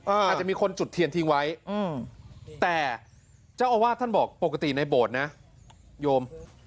อาจจะมีคนจุดเทียนทิ้งไว้แต่เจ้าอาวาสท่านบอกปกติในโบสถ์นะโยม